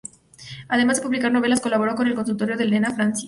Además de publicar novelas colaboró con el Consultorio de Elena Francis.